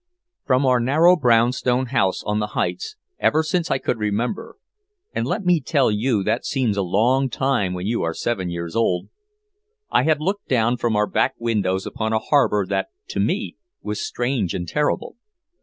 From our narrow brownstone house on the Heights, ever since I could remember (and let me tell you that seems a long time when you are seven years old), I had looked down from our back windows upon a harbor that to me was strange and terrible.